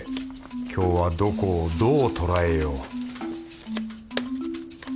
今日はどこをどうとらえよう